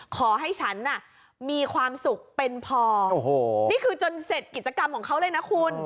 ขอให้ฉันน่ะมีความสุขเป็นพอนี่คือจนเสร็จกิจกรรมของเขาเลยนะคุณ